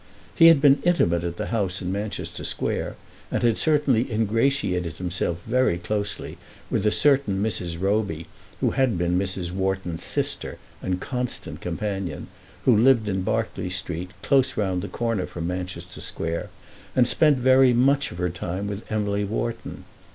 He had been intimate at the house in Manchester Square, and had certainly ingratiated himself very closely with a certain Mrs. Roby, who had been Mrs. Wharton's sister and constant companion, who lived in Berkeley Street, close round the corner from Manchester Square, and spent very much of her time with Emily Wharton.